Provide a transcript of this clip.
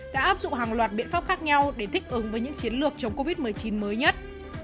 đã áp dụng hàng loạt biện pháp khác nhau để thích ứng với những chiến lược chống covid một mươi chín mới nhất